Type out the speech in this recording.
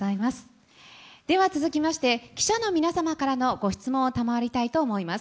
では続きまして、記者の皆様からのご質問を賜りたいと思います。